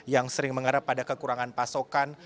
yang sering mengarah pada kekurangan pasokan